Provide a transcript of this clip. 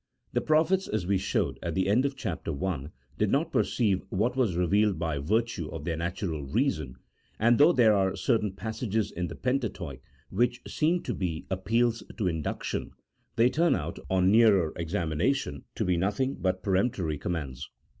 The prophets, as we showed at the end of Chapter I., did not perceive what was revealed by virtue of their natural reason, and though there are certain passages in the Pentateuch which seem to be appeals to induction, they turn out, on nearer examination, to be nothing but peremptory commands.